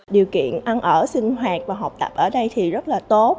điều kiện ăn ở sinh hoạt và học tập ở đây thì rất là tốt